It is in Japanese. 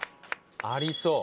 ありそう。